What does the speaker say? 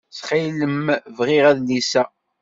Ttxil-m bɣiɣ adlis-a.